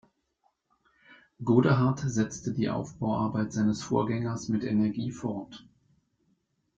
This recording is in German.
Godehard setzte die Aufbauarbeit seines Vorgängers mit Energie fort.